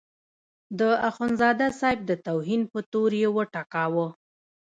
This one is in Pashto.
د اخندزاده صاحب د توهین په تور یې وټکاوه.